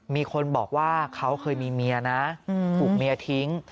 มีคนบอกว่าเขาเคยมีเมียนะถูกเมียทิ้ง